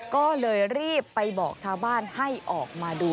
ก็เลยรีบไปบอกชาวบ้านให้ออกมาดู